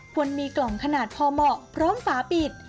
ควรมีกล่องขนาดพอเหมาะพร้อมฝาปิด